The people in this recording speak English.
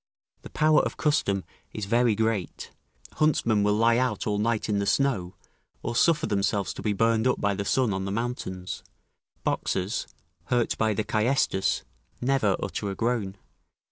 ["The power of custom is very great: huntsmen will lie out all night in the snow, or suffer themselves to be burned up by the sun on the mountains; boxers, hurt by the caestus, never utter a groan."